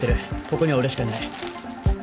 ここには俺しかいない。